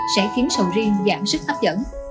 sẽ khiến sầu riêng giảm sức hấp dẫn